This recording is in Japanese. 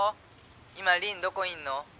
☎今凛どこいんの？